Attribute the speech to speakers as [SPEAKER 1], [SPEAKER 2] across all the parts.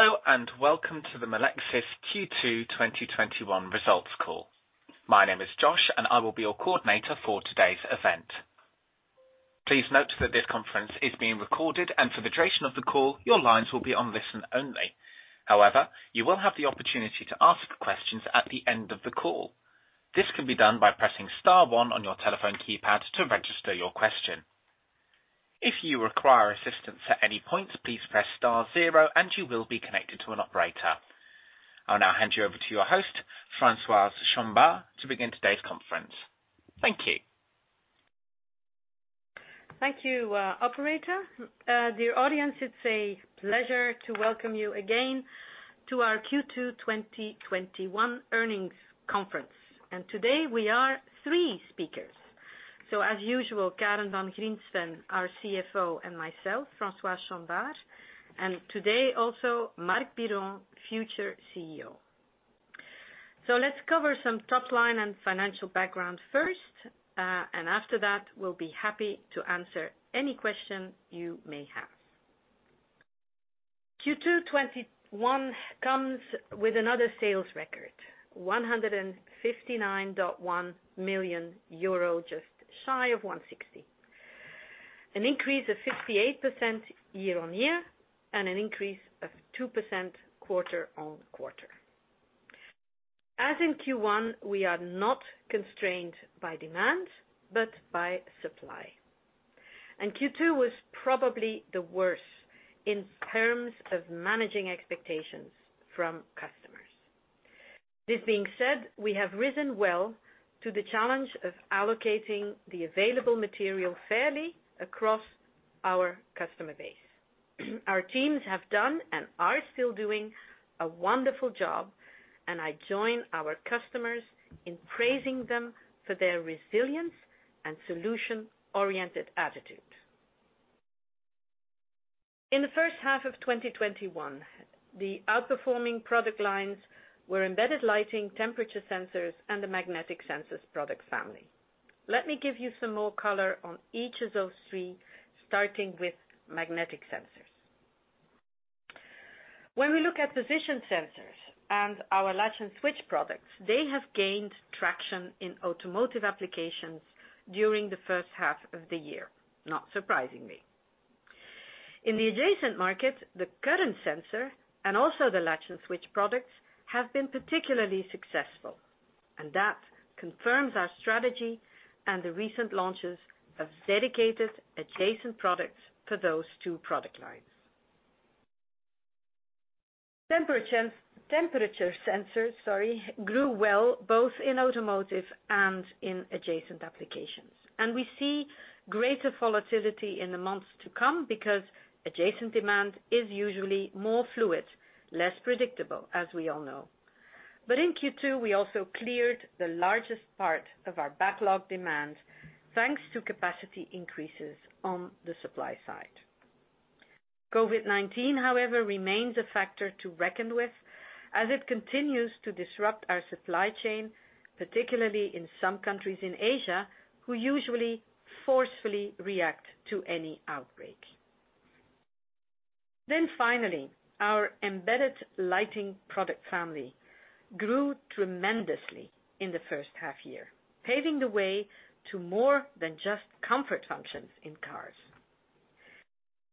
[SPEAKER 1] Hello, and welcome to the Melexis Q2 2021 results call. My name is Josh, and I will be your coordinator for today's event. Please note that this conference is being recorded, and for the duration of the call, your lines will be on listen only. However, you will have the opportunity to ask questions at the end of the call. This can be done by pressing star one on your telephone keypad to register your question. If you require assistance at any point, please press star zero and you will be connected to an operator. I'll now hand you over to your host, Françoise Chombar, to begin today's conference. Thank you.
[SPEAKER 2] Thank you, operator. Dear audience, it's a pleasure to welcome you again to our Q2 2021 earnings conference. Today we are three speakers. As usual, Karen Van Griensven, our CFO, and myself, Françoise Chombar, and today also Marc Biron, future CEO. Let's cover some top line and financial background first, and after that, we'll be happy to answer any question you may have. Q2 2021 comes with another sales record, 159.1 million euro, just shy of 160. An increase of 58% year-on-year and an increase of 2% quarter-on-quarter. As in Q1, we are not constrained by demand but by supply. Q2 was probably the worst in terms of managing expectations from customers. This being said, we have risen well to the challenge of allocating the available material fairly across our customer base. Our teams have done and are still doing a wonderful job, and I join our customers in praising them for their resilience and solution-oriented attitude. In the first half of 2021, the outperforming product lines were embedded lighting, temperature sensors, and the magnetic sensors product family. Let me give you some more color on each of those three, starting with magnetic sensors. When we look at position sensors and our latch and switch products, they have gained traction in automotive applications during the first half of the year, not surprisingly. In the adjacent market, the current sensor, and also the latch and switch products, have been particularly successful, and that confirms our strategy and the recent launches of dedicated adjacent products for those 2 product lines. Temperature sensors grew well both in automotive and in adjacent applications. We see greater volatility in the months to come because adjacent demand is usually more fluid, less predictable as we all know. In Q2, we also cleared the largest part of our backlog demand thanks to capacity increases on the supply side. COVID-19, however, remains a factor to reckon with as it continues to disrupt our supply chain, particularly in some countries in Asia, who usually forcefully react to any outbreak. Finally, our embedded lighting product family grew tremendously in the first half year, paving the way to more than just comfort functions in cars.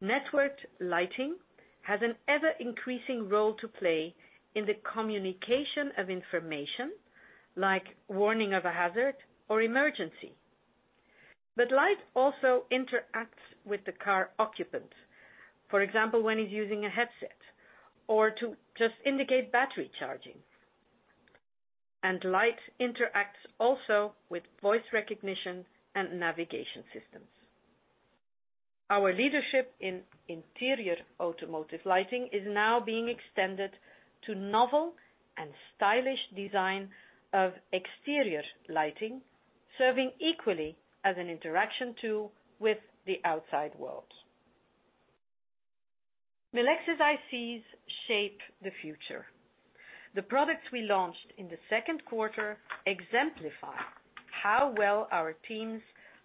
[SPEAKER 2] Networked lighting has an ever-increasing role to play in the communication of information, like warning of a hazard or emergency. Light also interacts with the car occupant. For example, when he's using a headset or to just indicate battery charging. Light interacts also with voice recognition and navigation systems. Our leadership in interior automotive lighting is now being extended to novel and stylish design of exterior lighting, serving equally as an interaction tool with the outside world. Melexis ICs shape the future. The products we launched in the second quarter exemplify how well our teams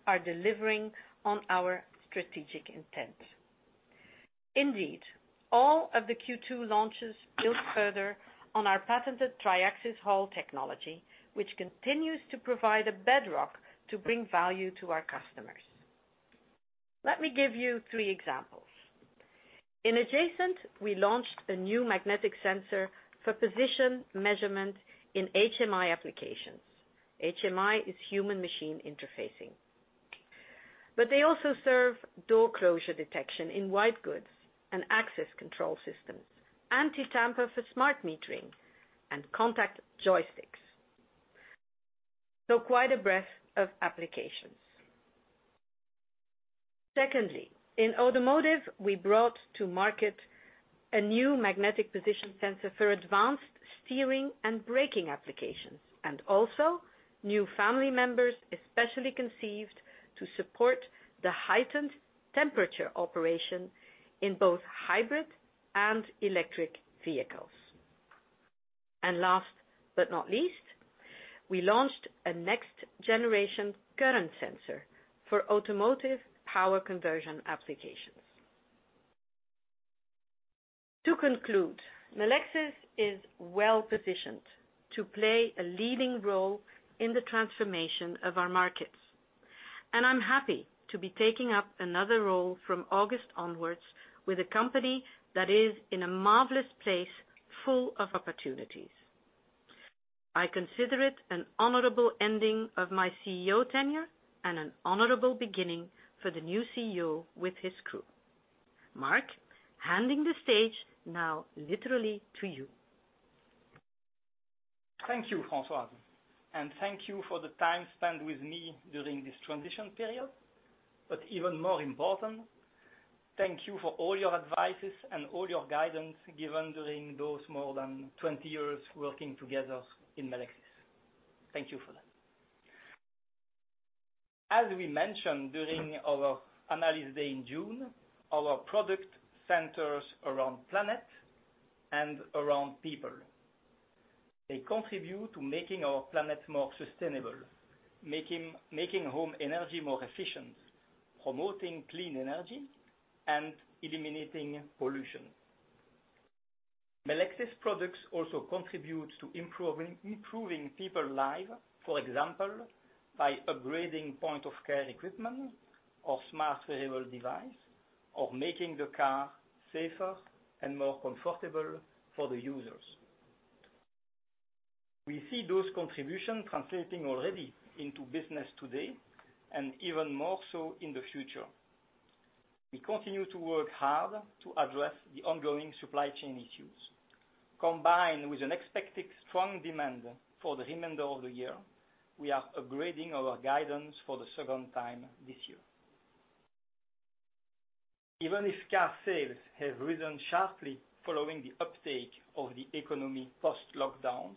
[SPEAKER 2] are delivering on our strategic intent. Indeed, all of the Q2 launches build further on our patented Triaxis Hall technology, which continues to provide a bedrock to bring value to our customers. Let me give you three examples. In adjacent, we launched a new magnetic sensor for position measurement in HMI applications. HMI is human machine interfacing. They also serve door closure detection in white goods and access control systems, anti-tamper for smart metering, and contact joysticks. Quite a breadth of applications. Secondly, in automotive, we brought to market a new magnetic position sensor for advanced steering and braking applications, and also new family members, especially conceived to support the heightened temperature operation in both hybrid and electric vehicles. Last but not least, we launched a next-generation current sensor for automotive power conversion applications. To conclude, Melexis is well-positioned to play a leading role in the transformation of our markets, and I'm happy to be taking up another role from August onwards with a company that is in a marvelous place, full of opportunities. I consider it an honorable ending of my CEO tenure and an honorable beginning for the new CEO with his crew. Marc, handing the stage now literally to you.
[SPEAKER 3] Thank you, Françoise, and thank you for the time spent with me during this transition period. Even more important, thank you for all your advice and all your guidance given during those more than 20 years working together in Melexis. Thank you for that. As we mentioned during our analysis day in June, our product centers around planet and around people. They contribute to making our planet more sustainable, making home energy more efficient, promoting clean energy, and eliminating pollution. Melexis products also contribute to improving people life, for example, by upgrading point-of-care equipment or smart wearable device, or making the car safer and more comfortable for the users. We see those contributions translating already into business today and even more so in the future. We continue to work hard to address the ongoing supply chain issues. Combined with an expected strong demand for the remainder of the year, we are upgrading our guidance for the second time this year. Even if car sales have risen sharply following the uptake of the economy post-lockdowns,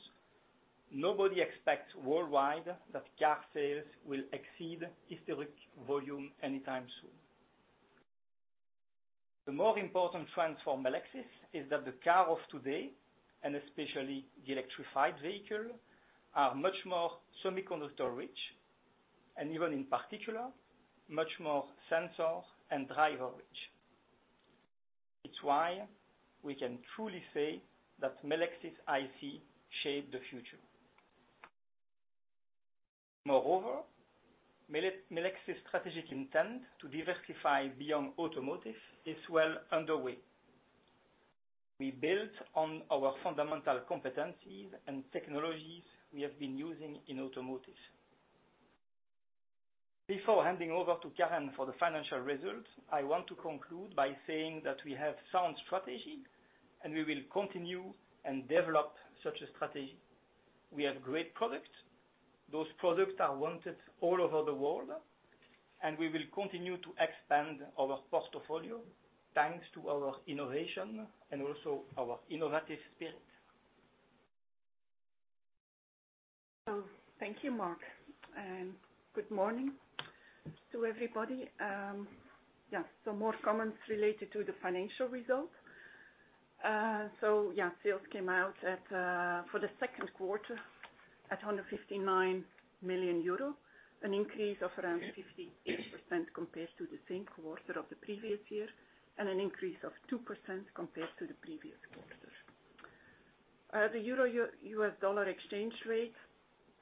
[SPEAKER 3] nobody expects worldwide that car sales will exceed historic volume anytime soon. The more important trend for Melexis is that the car of today, and especially the electrified vehicle, are much more semiconductor-rich, and even in particular, much more sensor and driver-rich. It's why we can truly say that Melexis IC shape the future. Moreover, Melexis strategic intent to diversify beyond automotive is well underway. We built on our fundamental competencies and technologies we have been using in automotive. Before handing over to Karen for the financial results, I want to conclude by saying that we have sound strategy, and we will continue and develop such a strategy. We have great products. Those products are wanted all over the world. We will continue to expand our portfolio thanks to our innovation and also our innovative spirit.
[SPEAKER 4] Thank you, Marc, and good morning to everybody. Some more comments related to the financial results. Sales came out for the 2nd quarter at 159 million euro, an increase of around 58% compared to the same quarter of the previous year and an increase of 2% compared to the previous quarter. The euro-U.S. dollar exchange rate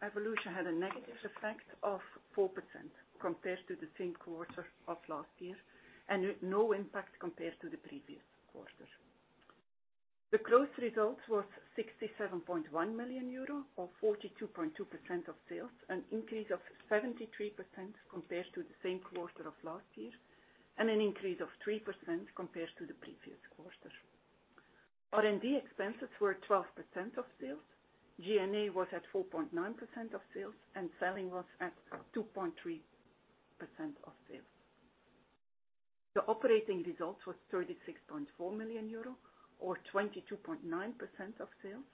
[SPEAKER 4] evolution had a negative effect of 4% compared to the same quarter of last year and no impact compared to the previous quarter. The gross result was 67.1 million euro, or 42.2% of sales, an increase of 73% compared to the same quarter of last year and an increase of 3% compared to the previous quarter. R&D expenses were 12% of sales. G&A was at 4.9% of sales. Selling was at 2.3% of sales. The operating result was 36.4 million euro, or 22.9% of sales.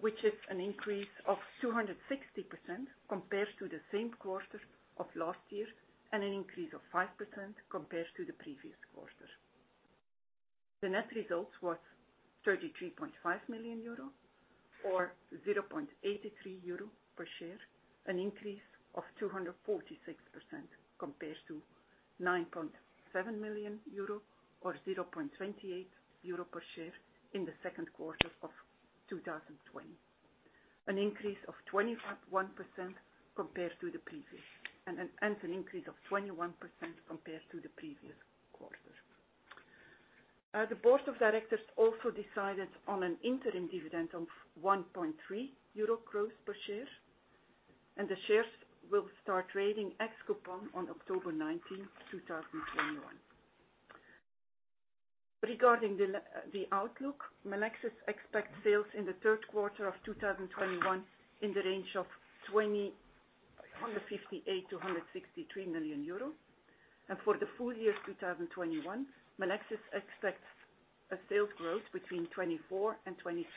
[SPEAKER 4] Which is an increase of 260% compared to the same quarter of last year and an increase of 5% compared to the previous quarter. The net results was 33.5 million euro or 0.83 euro per share, an increase of 246% compared to 9.7 million euro or 0.28 euro per share in the second quarter of 2020, and an increase of 21% compared to the previous quarter. The board of directors also decided on an interim dividend of 1.3 euro gross per share. The shares will start trading ex-coupon on October 19th, 2021. Regarding the outlook, Melexis expects sales in the third quarter of 2021 in the range of 20,158 to 163 million euros. For the full year 2021, Melexis expects a sales growth between 24% and 27%,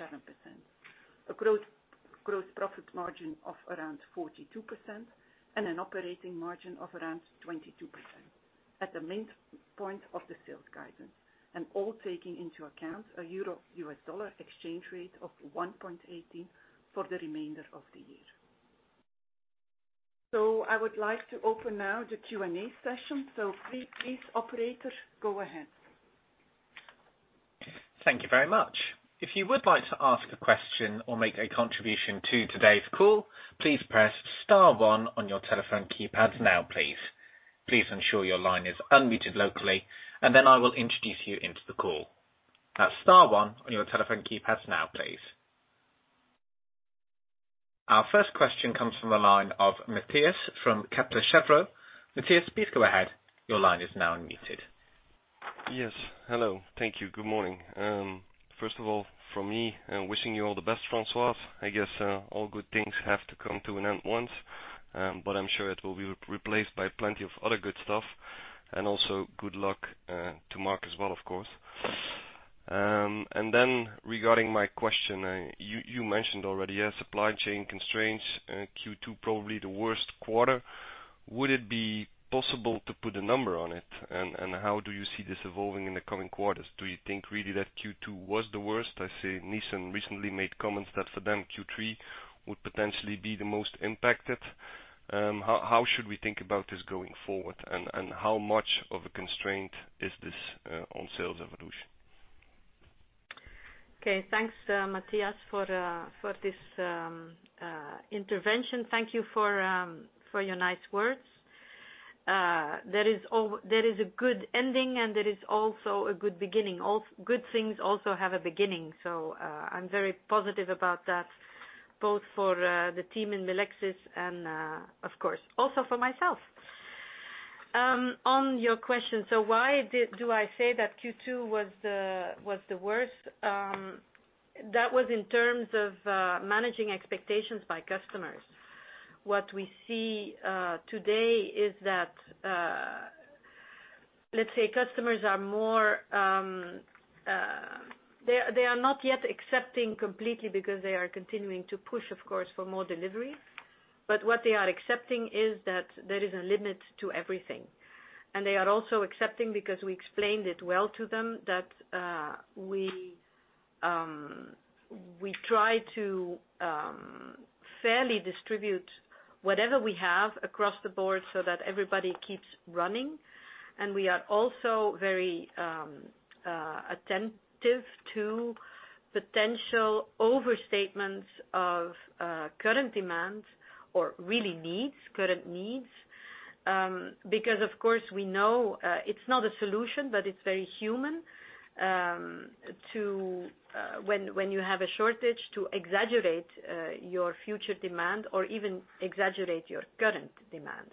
[SPEAKER 4] a gross profit margin of around 42%, and an operating margin of around 22%. At the midpoint of the sales guidance, and all taking into account a euro-U.S. dollar exchange rate of 1.18 for the remainder of the year. I would like to open now the Q&A session. Please, operator, go ahead.
[SPEAKER 1] Thank you very much. If you would like to ask a question or make a contribution to today's call, please press star one on your telephone keypads now, please. Please ensure your line is unmuted locally, and then I will introduce you into the call. That's star one on your telephone keypads now, please. Our first question comes from the line of Matthias from Kepler Cheuvreux. Matthias, please go ahead. Your line is now unmuted.
[SPEAKER 5] Yes. Hello. Thank you. Good morning. First of all, from me, wishing you all the best, Françoise. I guess all good things have to come to an end once, but I'm sure it will be replaced by plenty of other good stuff. Also good luck to Marc as well, of course. Regarding my question, you mentioned already, supply chain constraints, Q2 probably the worst quarter. Would it be possible to put a number on it? How do you see this evolving in the coming quarters? Do you think really that Q2 was the worst? I see Nissan recently made comments that for them, Q3 would potentially be the most impacted. How should we think about this going forward? How much of a constraint is this on sales evolution?
[SPEAKER 2] Okay. Thanks, Matthias, for this intervention. Thank you for your nice words. There is a good ending and there is also a good beginning. Good things also have a beginning. I'm very positive about that, both for the team in Melexis and, of course, also for myself. On your question, why do I say that Q2 was the worst? That was in terms of managing expectations by customers. What we see today is that, let's say customers are not yet accepting completely because they are continuing to push, of course, for more delivery. What they are accepting is that there is a limit to everything. They are also accepting because we explained it well to them that we try to fairly distribute whatever we have across the board so that everybody keeps running. We are also very attentive to potential overstatements of current demands or really needs, current needs. Because of course we know it's not a solution, but it's very human, when you have a shortage, to exaggerate your future demand or even exaggerate your current demand.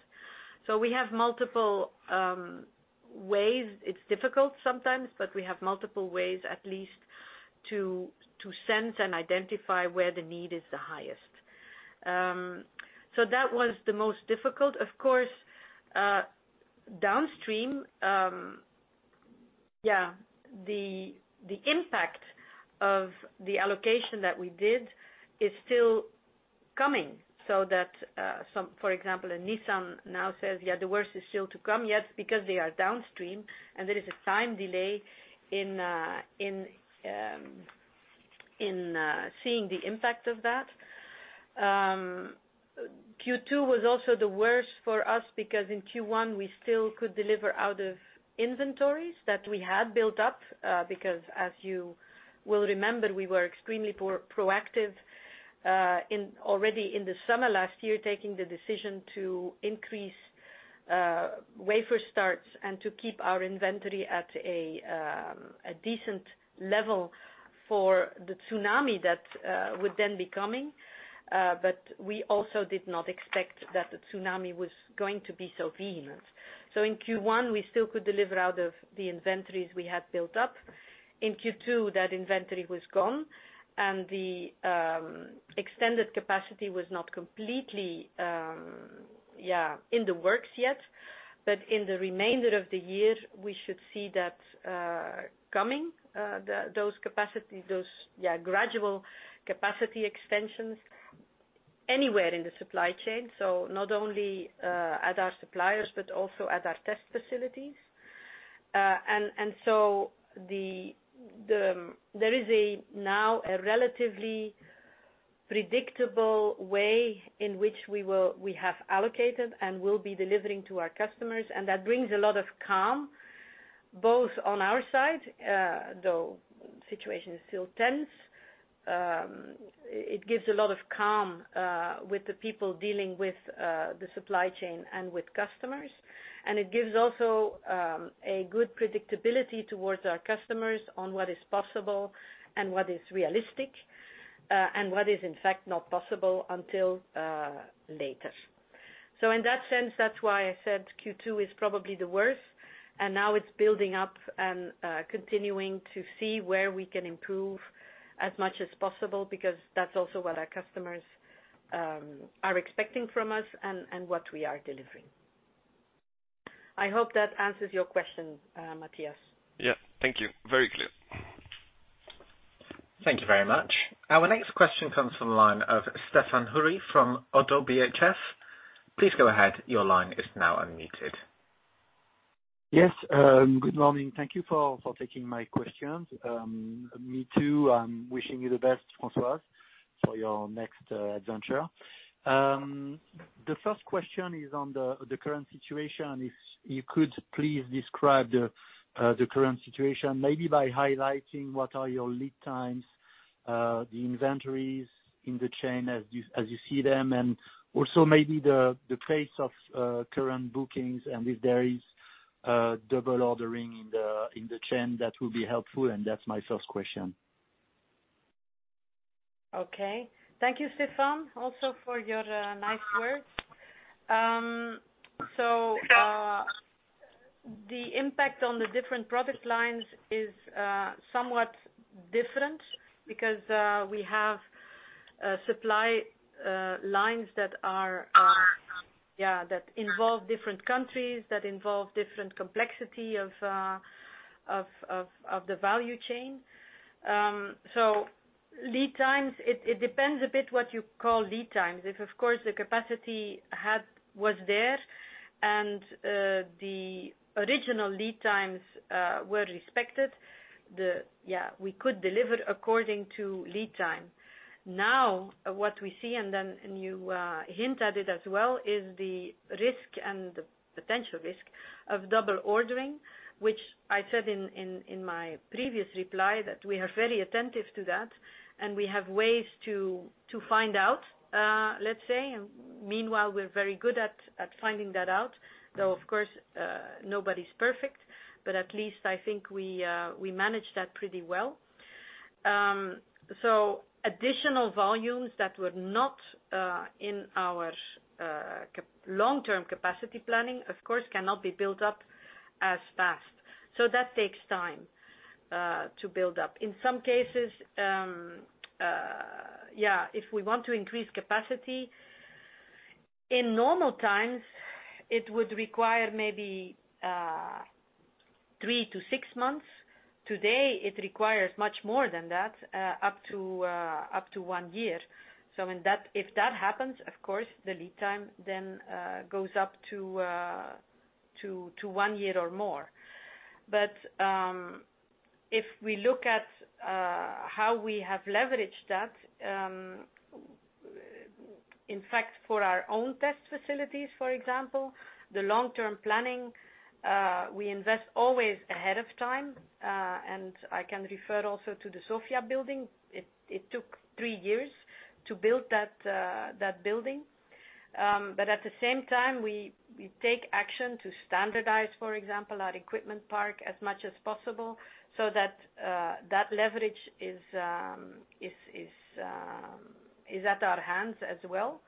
[SPEAKER 2] We have multiple ways. It's difficult sometimes, but we have multiple ways at least to sense and identify where the need is the highest. That was the most difficult. Of course, downstream, the impact of the allocation that we did is still coming, so that, for example, Nissan now says, "Yeah, the worst is still to come yet," because they are downstream and there is a time delay in seeing the impact of that. Q2 was also the worst for us because in Q1 we still could deliver out of inventories that we had built up, because as you will remember, we were extremely proactive already in the summer last year, taking the decision to increase wafer starts and to keep our inventory at a decent level for the tsunami that would then be coming. We also did not expect that the tsunami was going to be so vehement. In Q1, we still could deliver out of the inventories we had built up. In Q2, that inventory was gone, and the extended capacity was not completely in the works yet. In the remainder of the year, we should see that coming, those gradual capacity extensions anywhere in the supply chain. Not only at our suppliers, but also at our test facilities. There is now a relatively predictable way in which we have allocated and will be delivering to our customers, and that brings a lot of calm, both on our side, though situation is still tense. It gives a lot of calm with the people dealing with the supply chain and with customers. It gives also a good predictability towards our customers on what is possible and what is realistic, and what is in fact not possible until later. In that sense, that's why I said Q2 is probably the worst, and now it's building up and continuing to see where we can improve as much as possible, because that's also what our customers are expecting from us and what we are delivering. I hope that answers your question, Matthias.
[SPEAKER 5] Yeah. Thank you. Very clear.
[SPEAKER 1] Thank you very much. Our next question comes from the line of Stephane Houri from Oddo BHF. Please go ahead. Your line is now unmuted.
[SPEAKER 6] Yes. Good morning. Thank you for taking my questions. Me too, I'm wishing you the best, Françoise, for your next adventure. The first question is on the current situation. If you could please describe the current situation, maybe by highlighting what are your lead times, the inventories in the chain as you see them, and also maybe the pace of current bookings and if there is double ordering in the chain, that would be helpful. That's my first question.
[SPEAKER 2] Thank you, Stephan, also for your nice words. The impact on the different product lines is somewhat different because we have supply lines that involve different countries, that involve different complexity of the value chain. Lead times, it depends a bit what you call lead times. If of course the capacity was there and the original lead times were respected, we could deliver according to lead time. What we see, and you hint at it as well, is the risk and the potential risk of double ordering, which I said in my previous reply that we are very attentive to that and we have ways to find out, let's say. Meanwhile, we're very good at finding that out, though, of course, nobody's perfect, but at least I think we manage that pretty well. Additional volumes that were not in our long-term capacity planning, of course, cannot be built up as fast. That takes time to build up. In some cases, if we want to increase capacity in normal times, it would require maybe three to six months. Today, it requires much more than that, up to one year. If that happens, of course, the lead time then goes up to one year or more. If we look at how we have leveraged that, in fact, for our own test facilities, for example, the long-term planning, we invest always ahead of time. I can refer also to the Sofia building. It took three years to build that building. At the same time, we take action to standardize, for example, our equipment park as much as possible so that that leverage is at our hands as well.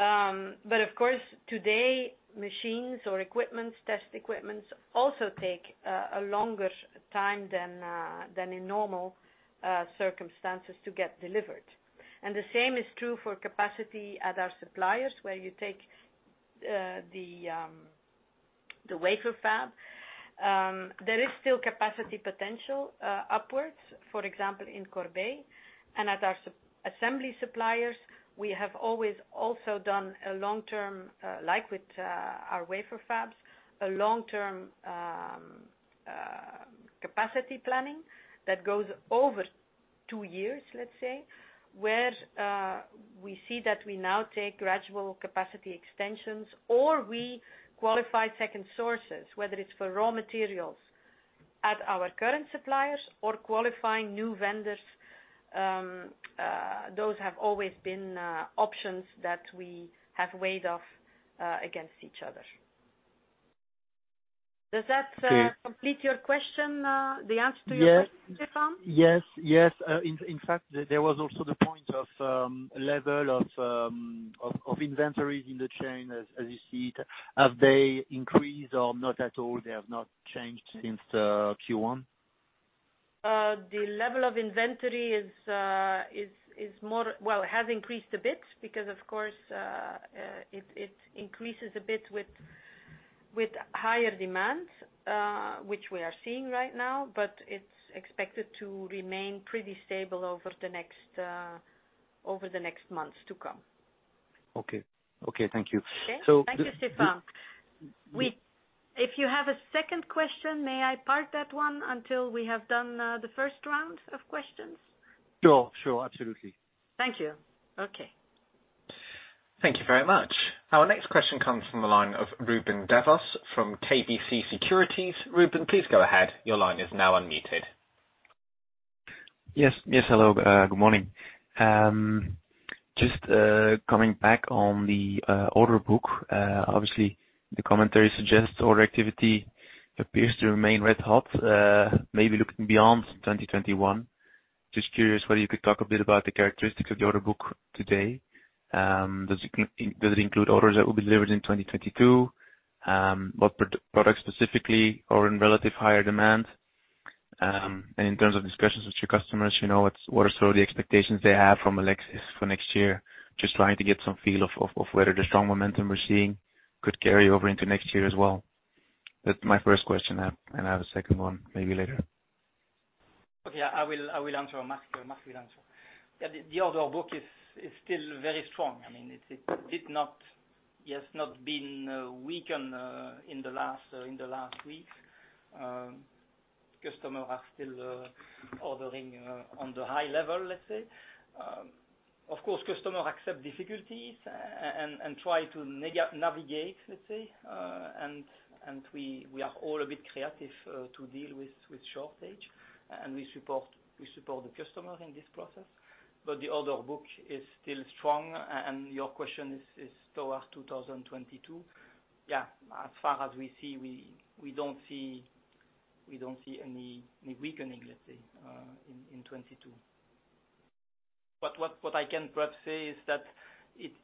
[SPEAKER 2] Of course, today, machines or equipments, test equipments also take a longer time than in normal circumstances to get delivered. The same is true for capacity at our suppliers, where you take the wafer fab. There is still capacity potential upwards, for example, in Corbeil. At our assembly suppliers, we have always also done a long-term, like with our wafer fabs, a long-term capacity planning that goes over two years, let's say, where we see that we now take gradual capacity extensions or we qualify second sources, whether it's for raw materials at our current suppliers or qualifying new vendors. Those have always been options that we have weighed off against each other. Does that complete your question, the answer to your question, Stephane?
[SPEAKER 6] Yes. In fact, there was also the point of level of inventories in the chain as you see it. Have they increased or not at all, they have not changed since the Q1?
[SPEAKER 2] The level of inventory has increased a bit because, of course, it increases a bit with higher demand, which we are seeing right now, but it's expected to remain pretty stable over the next months to come.
[SPEAKER 6] Okay. Thank you.
[SPEAKER 2] Okay. Thank you, Stephane. If you have a second question, may I park that one until we have done the first round of questions?
[SPEAKER 6] Sure. Absolutely.
[SPEAKER 2] Thank you. Okay.
[SPEAKER 1] Thank you very much. Our next question comes from the line of Ruben Devos from KBC Securities. Ruben, please go ahead. Your line is now unmuted.
[SPEAKER 7] Yes. Hello, good morning. Just coming back on the order book. Obviously, the commentary suggests order activity appears to remain red hot maybe looking beyond 2021. Just curious whether you could talk a bit about the characteristics of the order book today. Does it include orders that will be delivered in 2022? What products specifically are in relative higher demand? In terms of discussions with your customers, what are some of the expectations they have from Melexis for next year? Just trying to get some feel of whether the strong momentum we're seeing could carry over into next year as well. That's my first question. I have a second one, maybe later.
[SPEAKER 3] Okay. I will answer, or Marc will answer. The order book is still very strong. It has not been weakened in the last weeks. Customers are still ordering on the high level. Of course, customers accept difficulties and try to navigate. We are all a bit creative to deal with shortage, and we support the customer in this process. The order book is still strong. Your question is towards 2022. Yeah, as far as we see, we don't see any weakening in 2022. What I can perhaps say is that it's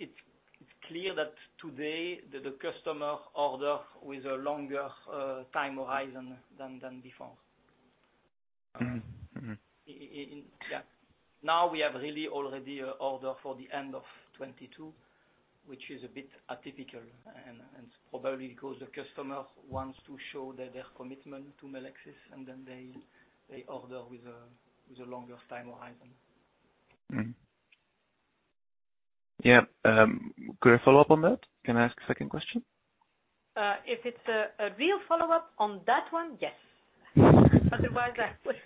[SPEAKER 3] clear that today, the customer order with a longer time horizon than before. Now we have really already an order for the end of 2022, which is a bit atypical, and probably because the customer wants to show their commitment to Melexis, and then they order with a longer time horizon.
[SPEAKER 7] Yeah. Could I follow up on that? Can I ask a second question?
[SPEAKER 2] If it's a real follow-up on that one, yes. Otherwise, I would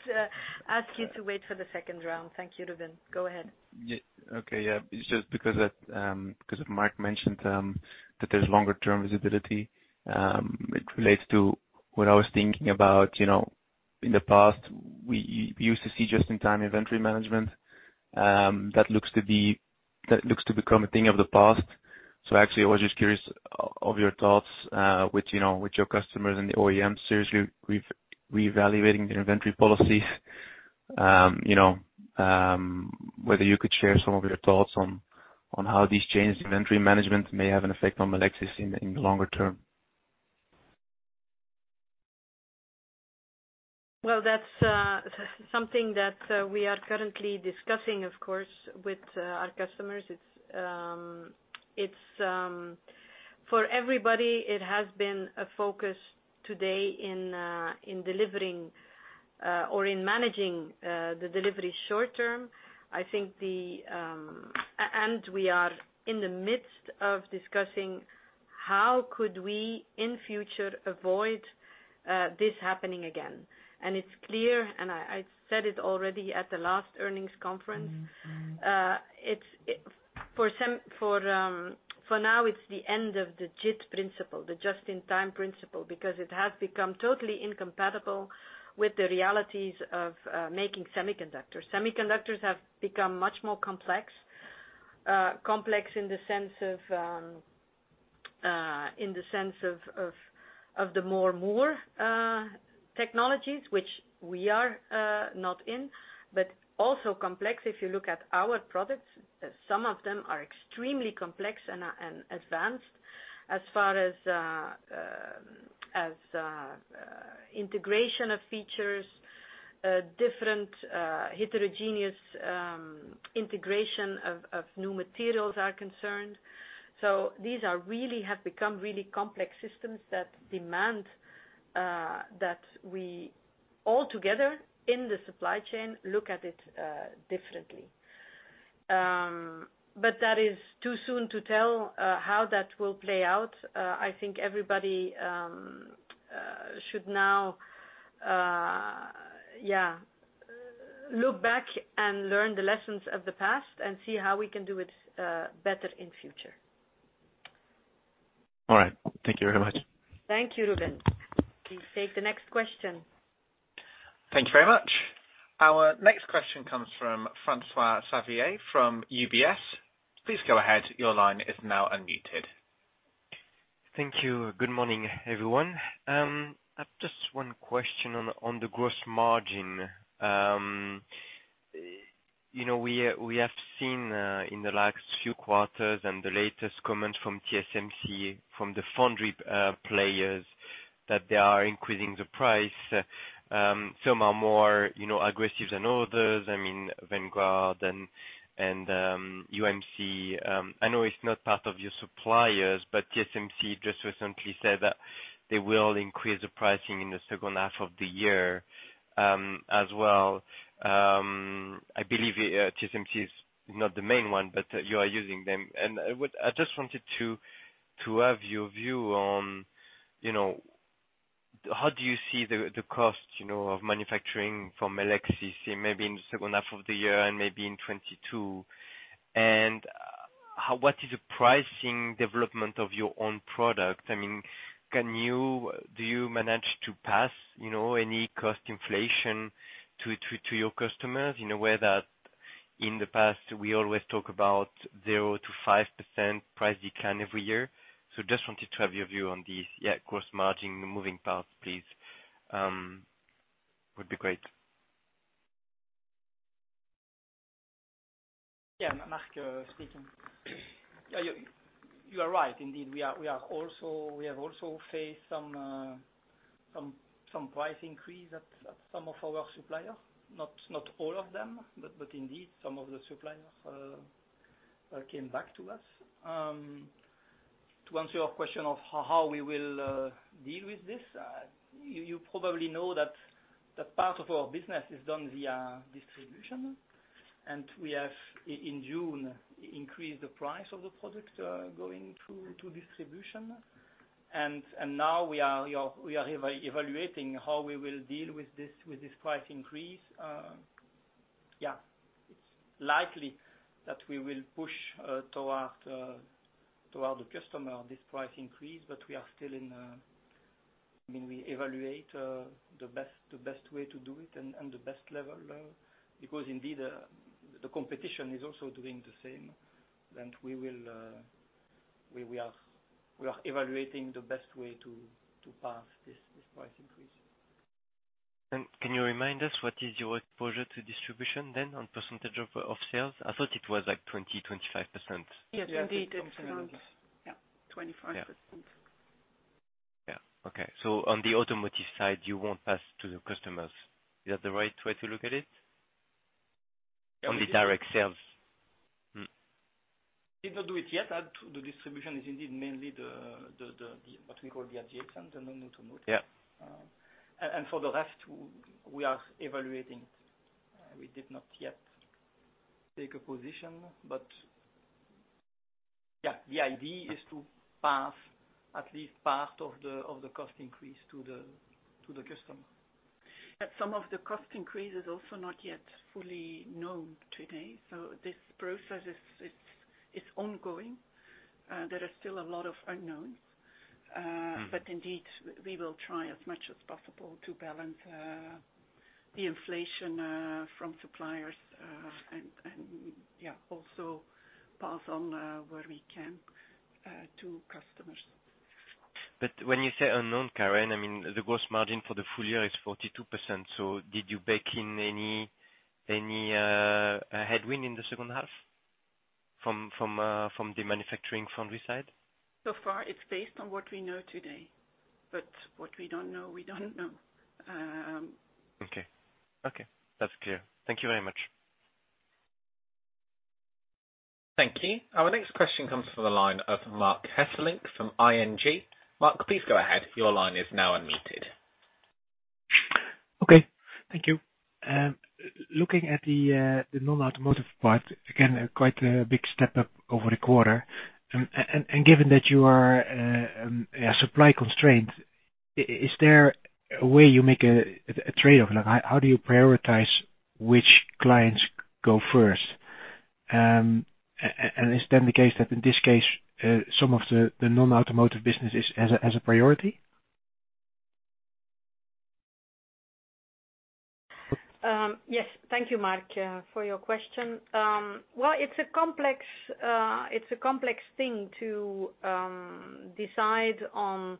[SPEAKER 2] ask you to wait for the second round. Thank you, Ruben. Go ahead.
[SPEAKER 7] Yeah. Okay. It's just because Marc mentioned that there's longer-term visibility. It relates to what I was thinking about. In the past, we used to see just-in-time inventory management. That looks to become a thing of the past. Actually, I was just curious of your thoughts with your customers and the OEMs seriously reevaluating their inventory policies. Whether you could share some of your thoughts on how these changes in inventory management may have an effect on Melexis in the longer term?
[SPEAKER 2] Well, that's something that we are currently discussing, of course, with our customers. For everybody, it has been a focus today in delivering or in managing the delivery short-term. We are in the midst of discussing how could we, in future, avoid this happening again. It's clear, and I said it already at the last earnings conference. For now, it's the end of the JIT principle, the just-in-time principle, because it has become totally incompatible with the realities of making semiconductors. Semiconductors have become much more complex. Complex in the sense of the more technologies which we are not in, but also complex if you look at our products. Some of them are extremely complex and advanced as far as integration of features, different heterogeneous integration of new materials are concerned. These have become really complex systems that demand that we all together in the supply chain look at it differently. That is too soon to tell how that will play out. I think everybody should now look back and learn the lessons of the past and see how we can do it better in future.
[SPEAKER 7] All right. Thank you very much.
[SPEAKER 2] Thank you, Ruben. Please take the next question.
[SPEAKER 1] Thank you very much. Our next question comes from François-Xavier from UBS. Please go ahead. Your line is now unmuted.
[SPEAKER 8] Thank you. Good morning, everyone. I've just one question on the gross margin. We have seen in the last few quarters and the latest comments from TSMC, from the foundry players, that they are increasing the price. Some are more aggressive than others, Vanguard and UMC. I know it's not part of your suppliers, but TSMC just recently said that they will increase the pricing in the second half of the year as well. I believe TSMC is not the main one, but you are using them. I just wanted to have your view on how do you see the cost of manufacturing for Melexis, maybe in the second half of the year and maybe in 2022? What is the pricing development of your own product? Do you manage to pass any cost inflation to your customers in a way that in the past, we always talk about 0%-5% price decline every year? Just wanted to have your view on these gross margin moving parts, please. Would be great.
[SPEAKER 3] Yeah, Marc speaking. You are right. Indeed, we have also faced some price increase at some of our suppliers. Not all of them, but indeed some of the suppliers came back to us. To answer your question of how we will deal with this, you probably know that part of our business is done via distribution, and we have, in June, increased the price of the product going to distribution. Now we are evaluating how we will deal with this price increase. Yeah. It's likely that we will push toward the customer this price increase, but we evaluate the best way to do it and the best level, because indeed, the competition is also doing the same. We are evaluating the best way to pass this price increase.
[SPEAKER 8] Can you remind us what is your exposure to distribution then on percentage of sales? I thought it was like 20, 25%.
[SPEAKER 4] Yes, indeed. It is around, yeah, 25%.
[SPEAKER 8] Yeah. Okay. On the automotive side, you won't pass to the customers. Is that the right way to look at it? On the direct sales.
[SPEAKER 3] We did not do it yet. The distribution is indeed mainly what we call the adjacent and the non-automotive.
[SPEAKER 8] Yeah.
[SPEAKER 3] For the rest, we are evaluating. We did not yet take a position. Yeah, the idea is to pass at least part of the cost increase to the customer.
[SPEAKER 4] Some of the cost increase is also not yet fully known today. This process is ongoing. There are still a lot of unknowns. Indeed, we will try as much as possible to balance the inflation from suppliers, and also pass on where we can to customers.
[SPEAKER 8] When you say unknown, Karen, the gross margin for the full year is 42%. Did you bake in any headwind in the second half from the manufacturing foundry side?
[SPEAKER 4] So far, it's based on what we know today, but what we don't know, we don't know.
[SPEAKER 8] Okay. That's clear. Thank you very much.
[SPEAKER 1] Thank you. Our next question comes from the line of Marc Hesselink from ING. Marc, please go ahead. Your line is now unmuted.
[SPEAKER 9] Okay. Thank you. Looking at the non-automotive part, again, quite a big step up over the quarter. Given that you are supply constrained, is there a way you make a trade-off? How do you prioritize which clients go first? Is then the case that, in this case, some of the non-automotive businesses as a priority?
[SPEAKER 2] Yes. Thank you, Marc, for your question. Well, it's a complex thing to decide on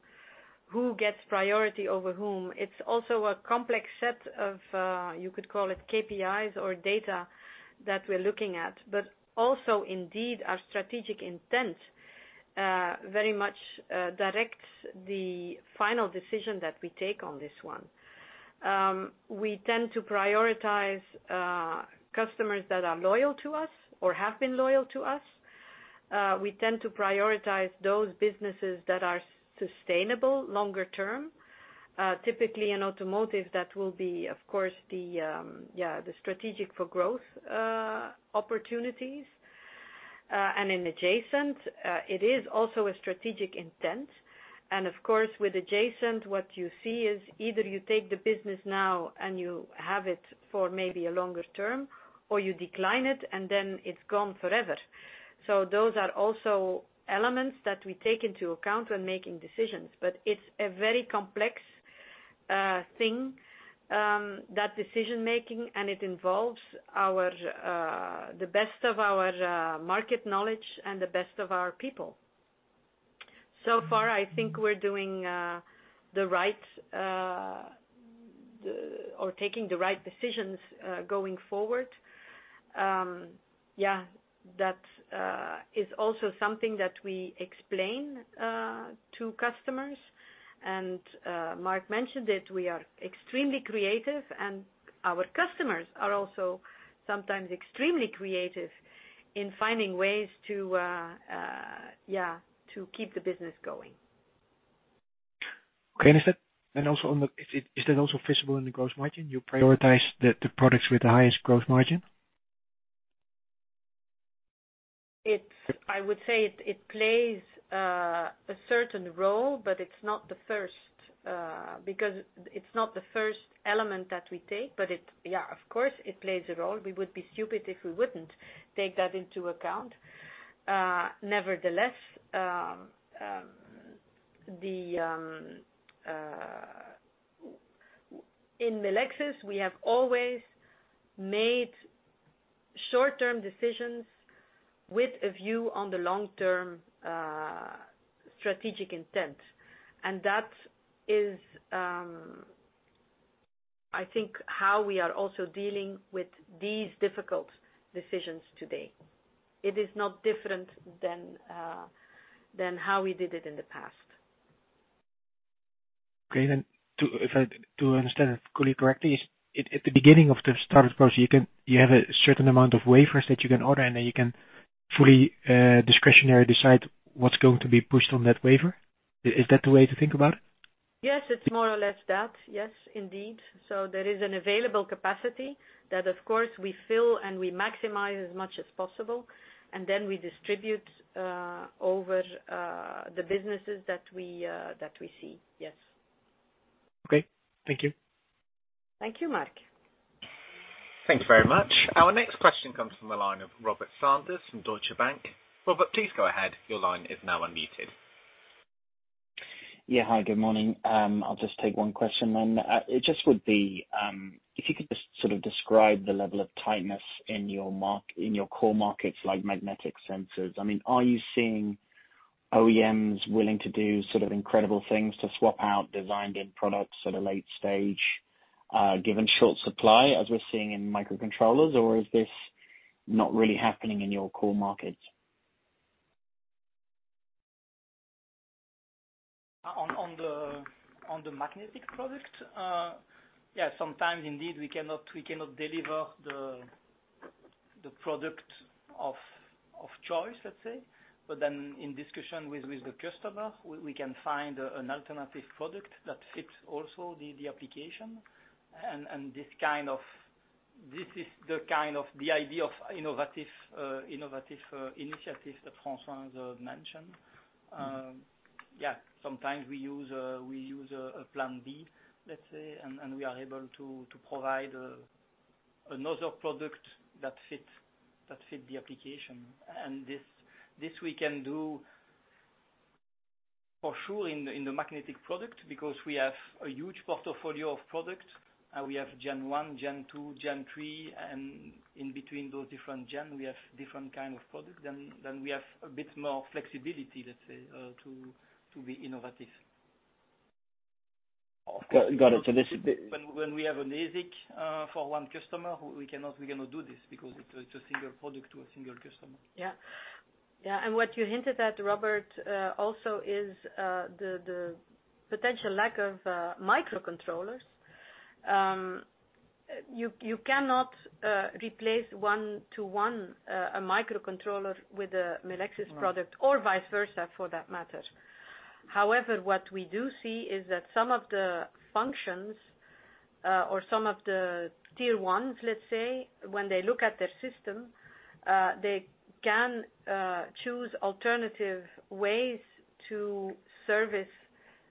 [SPEAKER 2] who gets priority over whom. It's also a complex set of, you could call it KPIs or data that we're looking at. Also, indeed, our strategic intent very much directs the final decision that we take on this one. We tend to prioritize customers that are loyal to us or have been loyal to us. We tend to prioritize those businesses that are sustainable longer term. Typically, in automotive, that will be, of course, the strategic for growth opportunities. In adjacent, it is also a strategic intent. Of course, with adjacent, what you see is either you take the business now and you have it for maybe a longer term, or you decline it and then it's gone forever. Those are also elements that we take into account when making decisions, but it's a very complex thing, that decision-making, and it involves the best of our market knowledge and the best of our people. Far, I think we're doing the right or taking the right decisions going forward. Yeah, that is also something that we explain to customers. Marc mentioned it, we are extremely creative, and our customers are also sometimes extremely creative in finding ways to keep the business going.
[SPEAKER 9] Okay. Is that also visible in the gross margin? You prioritize the products with the highest gross margin?
[SPEAKER 2] I would say it plays a certain role, but it's not the first element that we take, but yeah, of course, it plays a role. We would be stupid if we wouldn't take that into account. Nevertheless, in Melexis, we have always made short-term decisions with a view on the long-term strategic intent. I think how we are also dealing with these difficult decisions today. It is not different than how we did it in the past.
[SPEAKER 9] Great. To understand it fully correctly, at the beginning of the startup process, you have a certain amount of wafers that you can order, and then you can fully discretionary decide what's going to be pushed on that wafer. Is that the way to think about it?
[SPEAKER 2] Yes. It's more or less that. Yes, indeed. There is an available capacity that of course, we fill and we maximize as much as possible, and then we distribute over the businesses that we see. Yes.
[SPEAKER 9] Okay. Thank you.
[SPEAKER 2] Thank you, Marc.
[SPEAKER 1] Thank you very much. Our next question comes from the line of Robert Sanders from Deutsche Bank. Robert, please go ahead. Your line is now unmuted.
[SPEAKER 10] Yeah. Hi, good morning. I'll just take one question then. It just would be, if you could just sort of describe the level of tightness in your core markets like magnetic sensors. Are you seeing OEMs willing to do incredible things to swap out designed-in products at a late stage given short supply as we're seeing in microcontrollers? Is this not really happening in your core markets?
[SPEAKER 3] On the magnetic product, yeah, sometimes indeed we cannot deliver the product of choice, let's say. In discussion with the customer, we can find an alternative product that fits also the application and this is the idea of innovative initiatives that Françoise mentioned. Sometimes we use a plan B, let's say, and we are able to provide another product that fits the application. This we can do for sure in the magnetic product because we have a huge portfolio of products. We have Gen 1, Gen 2, Gen 3, and in between those different Gen, we have different kind of product, then we have a bit more flexibility, let's say, to be innovative.
[SPEAKER 10] Got it.
[SPEAKER 3] When we have an ASIC for one customer, we cannot do this because it's a single product to a single customer.
[SPEAKER 2] Yeah. What you hinted at, Robert, also is the potential lack of microcontrollers. You cannot replace one-to-one a microcontroller with a Melexis product or vice versa for that matter. However, what we do see is that some of the functions or some of the tier 1s, let's say, when they look at their system, they can choose alternative ways to service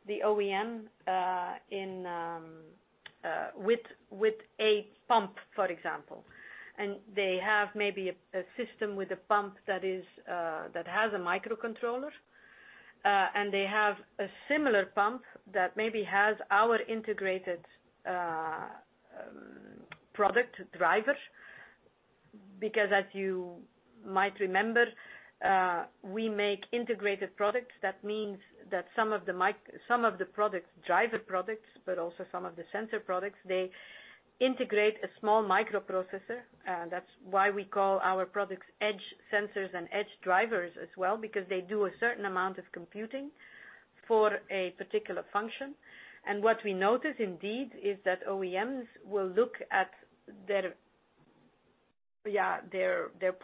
[SPEAKER 2] the OEM with a pump, for example. They have maybe a system with a pump that has a microcontroller, and they have a similar pump that maybe has our integrated product driver. As you might remember, we make integrated products. That means that some of the products, driver products, but also some of the sensor products, they integrate a small microprocessor. That's why we call our products edge sensors and edge drivers as well, because they do a certain amount of computing for a particular function. What we notice indeed is that OEMs will look at their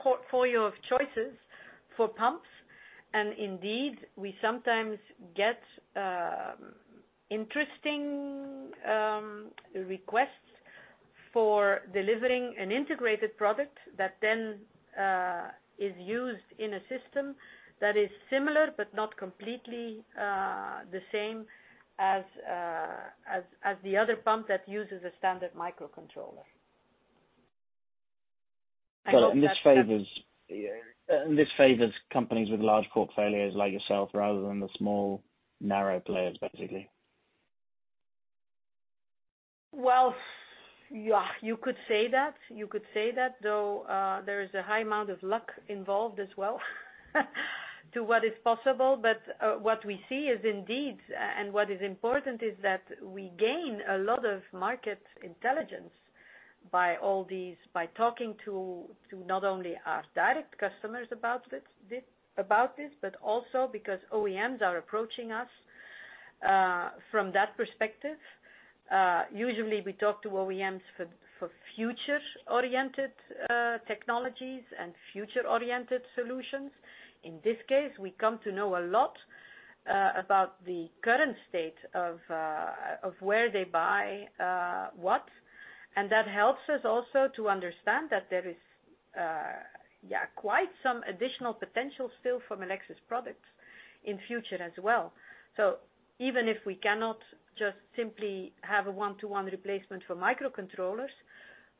[SPEAKER 2] portfolio of choices for pumps. Indeed, we sometimes get interesting requests for delivering an integrated product that then is used in a system that is similar but not completely the same as the other pump that uses a standard microcontroller.
[SPEAKER 10] Got it. This favors companies with large portfolios like yourself rather than the small narrow players, basically.
[SPEAKER 2] Well, you could say that, though there is a high amount of luck involved as well to what is possible. What we see is indeed, and what is important is that we gain a lot of market intelligence by talking to not only our direct customers about this, but also because OEMs are approaching us, from that perspective. Usually, we talk to OEMs for future-oriented technologies and future-oriented solutions. In this case, we come to know a lot about the current state of where they buy what, and that helps us also to understand that there is quite some additional potential still for Melexis products in future as well. Even if we cannot just simply have a one-to-one replacement for microcontrollers,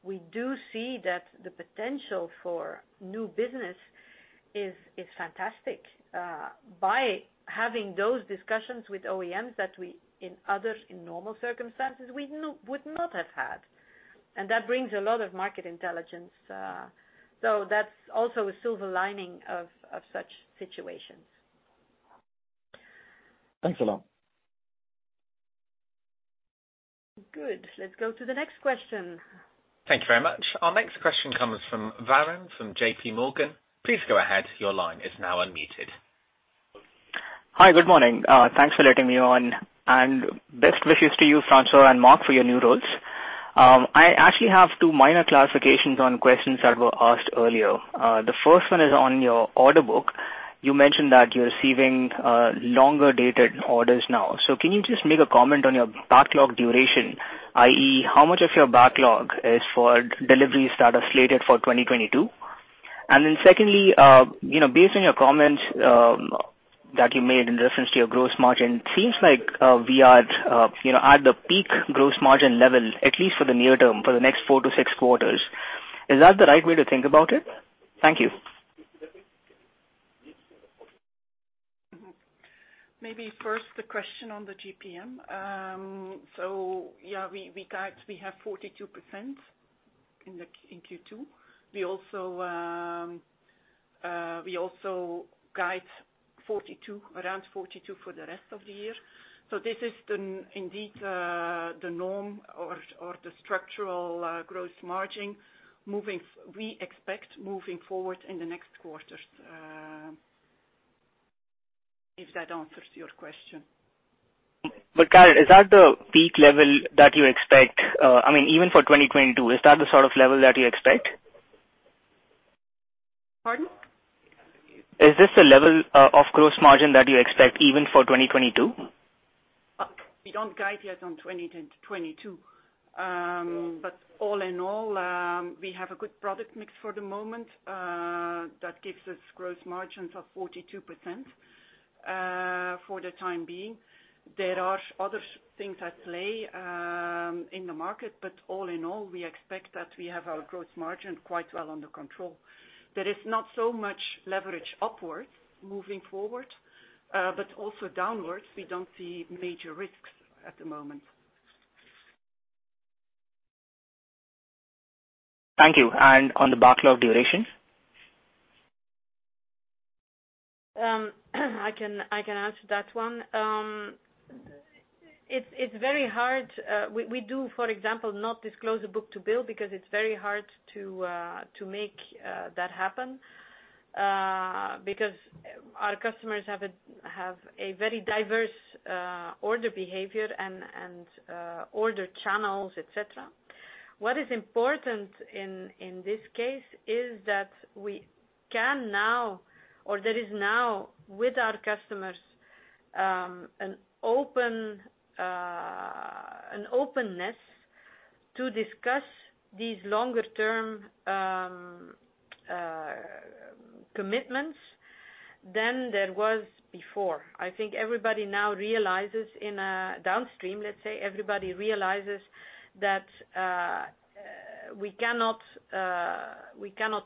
[SPEAKER 2] we do see that the potential for new business is fantastic. By having those discussions with OEMs that in other, in normal circumstances, we would not have had. That brings a lot of market intelligence. That's also a silver lining of such situations.
[SPEAKER 10] Thanks a lot.
[SPEAKER 2] Good. Let's go to the next question.
[SPEAKER 1] Thank you very much. Our next question comes from Varun from JPMorgan. Please go ahead. Your line is now unmuted.
[SPEAKER 11] Hi. Good morning. Thanks for letting me on, and best wishes to you, François and Marc, for your new roles. I actually have two minor classifications on questions that were asked earlier. The first one is on your order book. You mentioned that you're receiving longer-dated orders now. Can you just make a comment on your backlog duration, i.e., how much of your backlog is for deliveries that are slated for 2022? Secondly, based on your comments that you made in reference to your gross margin, seems like we are at the peak gross margin level, at least for the near term, for the next four to six quarters. Is that the right way to think about it? Thank you.
[SPEAKER 4] Maybe first the question on the GPM. Yeah, we have 42% in Q2. We also guide around 42% for the rest of the year. This is indeed the norm or the structural gross margin we expect moving forward in the next quarters. If that answers your question?
[SPEAKER 11] Karen, is that the peak level that you expect, even for 2022? Is that the sort of level that you expect?
[SPEAKER 4] Pardon?
[SPEAKER 11] Is this the level of gross margin that you expect even for 2022?
[SPEAKER 4] We don't guide yet on 2022. But all in all, we have a good product mix for the moment that gives us gross margins of 42% for the time being. There are other things at play in the market, but all in all, we expect that we have our gross margin quite well under control. There is not so much leverage upwards moving forward, but also downwards, we don't see major risks at the moment.
[SPEAKER 11] Thank you. On the backlog duration.
[SPEAKER 2] I can answer that one. It's very hard. We do, for example, not disclose a book-to-bill because it's very hard to make that happen because our customers have a very diverse order behavior and order channels, et cetera. What is important in this case is that we can now, or there is now with our customers, an openness to discuss these longer-term commitments than there was before. I think everybody now realizes in a downstream, let's say, everybody realizes that we cannot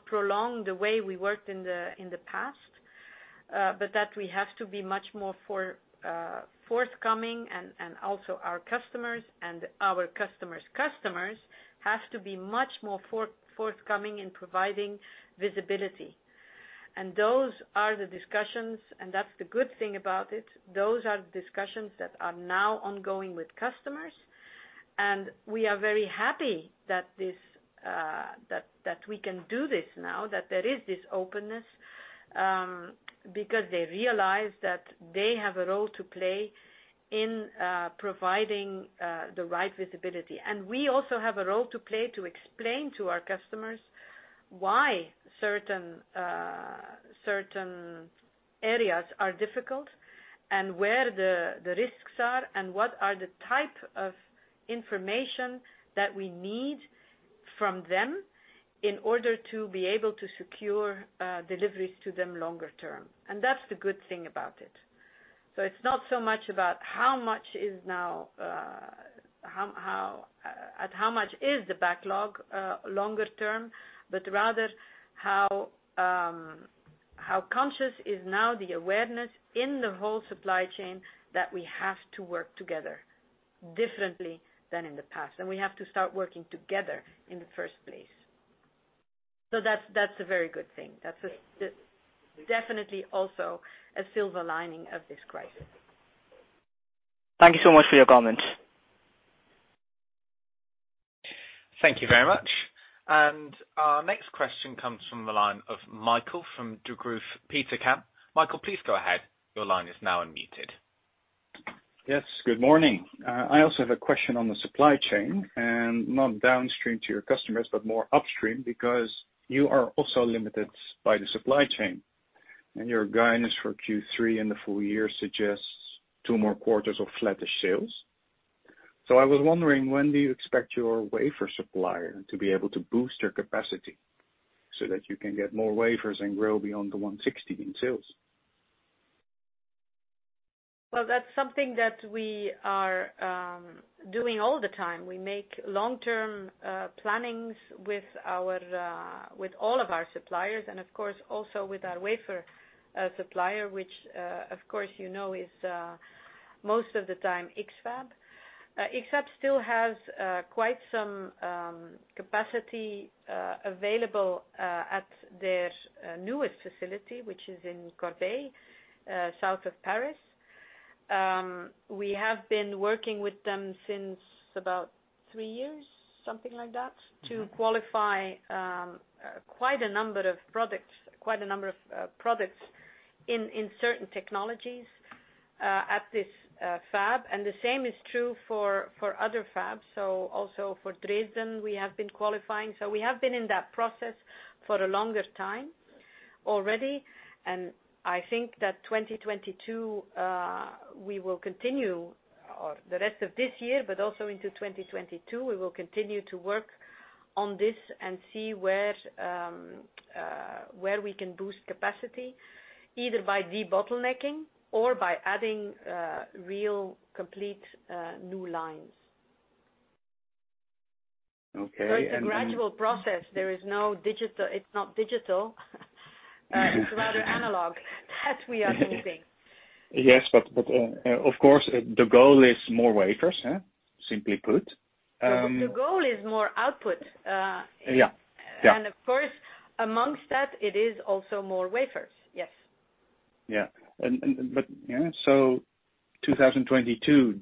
[SPEAKER 2] prolong the way we worked in the past, but that we have to be much more forthcoming and also our customers and our customers' customers have to be much more forthcoming in providing visibility. Those are the discussions, and that's the good thing about it. Those are the discussions that are now ongoing with customers. We are very happy that we can do this now, that there is this openness, because they realize that they have a role to play in providing the right visibility. We also have a role to play to explain to our customers why certain areas are difficult and where the risks are and what are the type of information that we need from them in order to be able to secure deliveries to them longer term. That's the good thing about it. It's not so much about how much is the backlog longer term, but rather how conscious is now the awareness in the whole supply chain that we have to work together differently than in the past. We have to start working together in the first place. That's a very good thing. That's definitely also a silver lining of this crisis.
[SPEAKER 11] Thank you so much for your comments.
[SPEAKER 1] Thank you very much. Our next question comes from the line of Michael from Degroof Petercam. Michael, please go ahead. Your line is now unmuted.
[SPEAKER 12] Yes. Good morning. I also have a question on the supply chain and not downstream to your customers, but more upstream because you are also limited by the supply chain. Your guidance for Q3 and the full year suggests two more quarters of flattish sales. I was wondering, when do you expect your wafer supplier to be able to boost their capacity so that you can get more wafers and grow beyond the 160 in sales?
[SPEAKER 2] Well, that's something that we are doing all the time. We make long-term plannings with all of our suppliers, and of course, also with our wafer supplier, which, of course, you know is most of the time X-FAB. X-FAB still has quite some capacity available at their newest facility, which is in Corbeil, south of Paris. We have been working with them since about three years, something like that, to qualify quite a number of products in certain technologies at this fab. The same is true for other fabs. Also for Dresden, we have been qualifying. We have been in that process for a longer time already, and I think that 2022, we will continue, or the rest of this year, but also into 2022, we will continue to work on this and see where we can boost capacity, either by debottlenecking or by adding real complete new lines.
[SPEAKER 12] Okay.
[SPEAKER 2] It's a gradual process. It's not digital. It's rather analog that we are moving.
[SPEAKER 12] Yes, of course, the goal is more wafers, simply put.
[SPEAKER 2] The goal is more output.
[SPEAKER 12] Yeah.
[SPEAKER 2] Of course, amongst that, it is also more wafers. Yes.
[SPEAKER 12] Yeah. 2022,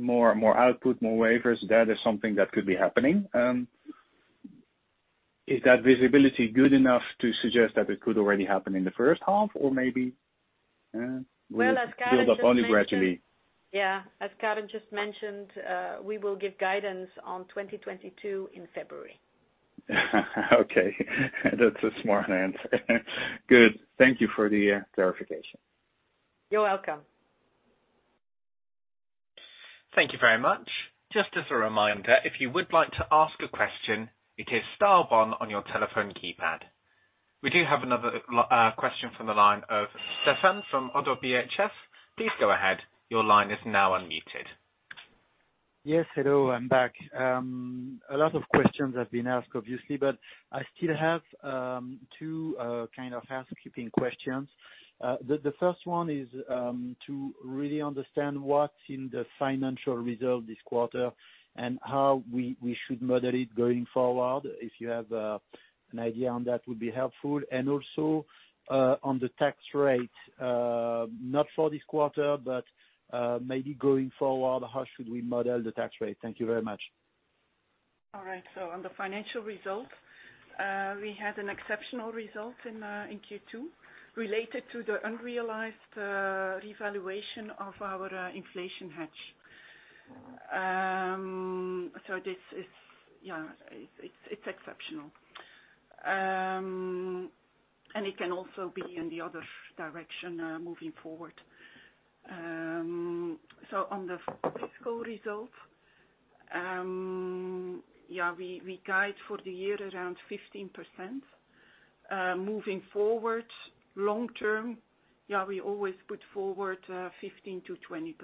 [SPEAKER 12] more output, more wafers, that is something that could be happening. Is that visibility good enough to suggest that it could already happen in the first half, or maybe will it build up only gradually?
[SPEAKER 2] Yeah. As Karen just mentioned, we will give guidance on 2022 in February.
[SPEAKER 12] Okay. That's a smart answer. Good. Thank you for the clarification.
[SPEAKER 2] You're welcome.
[SPEAKER 1] Thank you very much. Just as a reminder, if you would like to ask a question, it is star one on your telephone keypad. We do have another question from the line of Stephane from Oddo BHF. Please go ahead. Your line is now unmuted.
[SPEAKER 6] Yes, hello. I'm back. A lot of questions have been asked, obviously, but I still have two kind of housekeeping questions. The first one is to really understand what's in the financial result this quarter, and how we should model it going forward. If you have an idea on that, would be helpful. Also, on the tax rate, not for this quarter, but maybe going forward, how should we model the tax rate? Thank you very much.
[SPEAKER 4] All right. On the financial result, we had an exceptional result in Q2 related to the unrealized revaluation of our inflation hedge. This, it's exceptional. It can also be in the other direction moving forward. On the fiscal result, we guide for the year around 15%. Moving forward, long term, we always put forward 15%-20%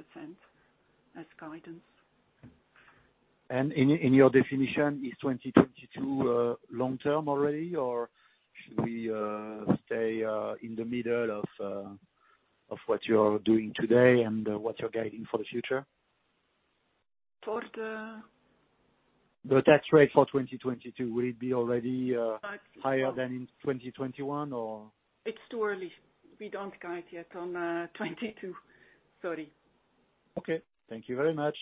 [SPEAKER 4] as guidance.
[SPEAKER 6] In your definition, is 2022 long-term already, or should we stay in the middle of what you're doing today and what you're guiding for the future?
[SPEAKER 4] For the?
[SPEAKER 6] The tax rate for 2022, will it be already higher than in 2021 or?
[SPEAKER 4] It's too early. We don't guide yet on 2022. Sorry.
[SPEAKER 6] Okay. Thank you very much.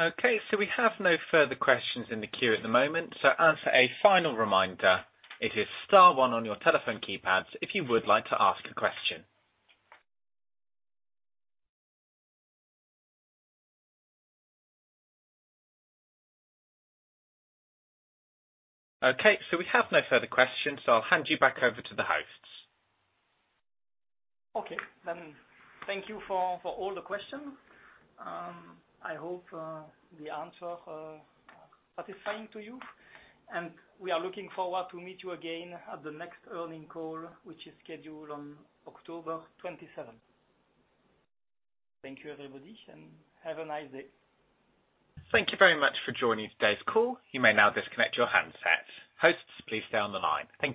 [SPEAKER 1] Okay, we have no further questions in the queue at the moment. As a final reminder, it is star one on your telephone keypads if you would like to ask a question. Okay, we have no further questions, so I'll hand you back over to the hosts.
[SPEAKER 3] Okay, thank you for all the questions. I hope the answer are satisfying to you. We are looking forward to meet you again at the next earning call, which is scheduled on October 27th. Thank you, everybody, and have a nice day.
[SPEAKER 1] Thank you very much for joining today's call. Thank you.